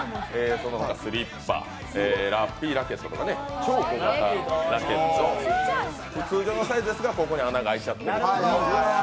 そのほかスリッパ、ラッピーラケットとか、超小型ラケット、通常のサイズですがここに穴が開いちゃっている。